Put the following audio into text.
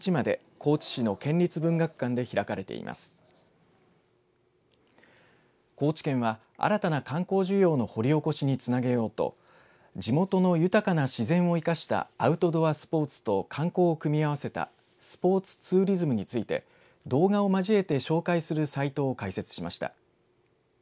高知県は新たな観光需要の掘り起こしにつなげようと地元の豊かな自然を生かしたアウトドアスポーツと観光を組み合わせたスポーツツーリズムについて動画を交えて紹介するサイトを開設しました。